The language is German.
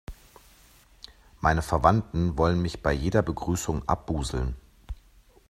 Meine Verwandten wollen mich bei jeder Begrüßung abbusseln.